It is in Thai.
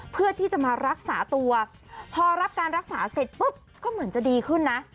เพื่อที่จะมารักษาตัวพอรับการรักษาเสร็จปุ๊บก็เหมือนจะดีขึ้นนะ